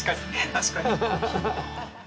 確かに。